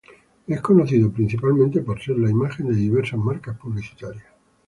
Es conocido principalmente por ser la imagen de diversas marcas publicitarias.